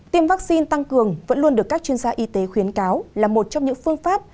tiêm vaccine tăng cường vẫn luôn được các chuyên gia y tế khuyến cáo là một trong những phương pháp